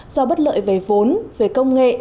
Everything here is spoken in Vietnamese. do bất lợi về vốn về công nghệ